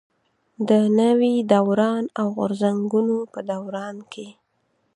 د نوي دوران او غورځنګونو په دوران کې دي.